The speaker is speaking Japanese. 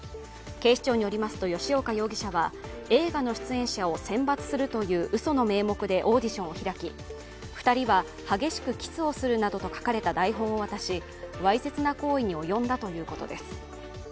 警視庁によりますと吉岡容疑者は映画の出演者を選抜するといううその名目でオーディションを開き、２人は激しくキスをするなどと書かれた台本を渡し、わいせつな行為に及んだということです。